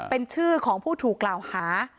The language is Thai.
เป็นชื่อของผู้ถูกกล่าวหา